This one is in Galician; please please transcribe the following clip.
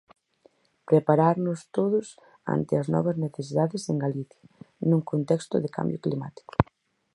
Prepararnos todos ante as novas necesidades en Galicia, nun contexto de cambio climático.